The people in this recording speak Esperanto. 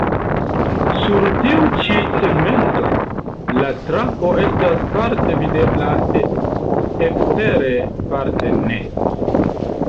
Sur tiu ĉi segmento, la trako estas parte videbla de ekstere, parte ne.